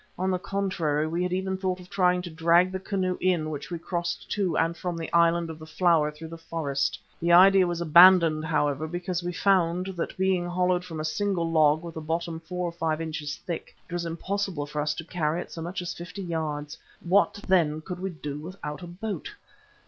On the contrary, we had even thought of trying to drag the canoe in which we crossed to and from the island of the Flower through the forest. The idea was abandoned, however, because we found that being hollowed from a single log with a bottom four or five inches thick, it was impossible for us to carry it so much as fifty yards. What then could we do without a boat?